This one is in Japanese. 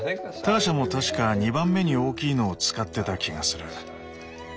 ターシャも確か２番目に大きいのを使ってた気がする。